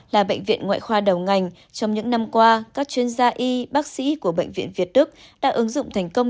là bệnh viện ngoại khoa đầu ngành trong những năm qua các chuyên gia y bác sĩ của bệnh viện việt đức đã ứng dụng thành công